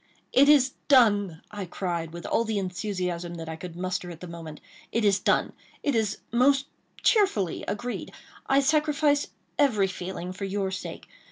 "It is done!" I cried, with all the enthusiasm that I could muster at the moment. "It is done—it is most cheerfully agreed. I sacrifice every feeling for your sake.